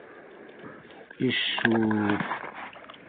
Ишшү...